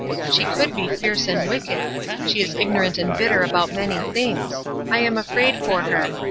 She could be fierce and wicked; she is ignorant and bitter about many things; I am afraid for her.